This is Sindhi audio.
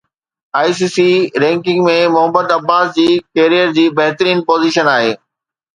I C C ranking ۾ Mohammad Abbas جي ڪيريئر جي بهترين پوزيشن آهي